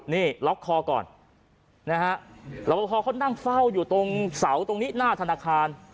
นี่ล็อกคอก่อนนะฮะรับประพอเขานั่งเฝ้าอยู่ตรงเสาตรงนี้หน้าธนาคาร